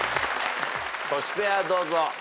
トシペアどうぞ。